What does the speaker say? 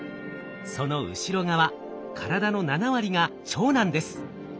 その後ろ側体の７割が腸なんです。